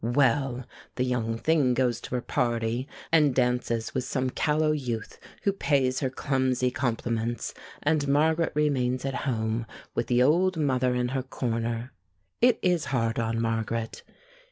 Well! the young thing goes to her party, and dances with some callow youth who pays her clumsy compliments, and Margaret remains at home with the old mother in her corner. It is hard on Margaret!